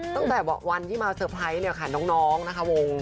ตั้งแต่วันที่มาเซอร์ไพรส์เนี่ยค่ะน้องนะคะวง